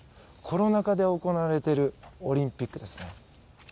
コロナ禍で行われているオリンピックです。